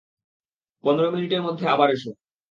পনেরো মিনিটের মধ্যে আবার এসো।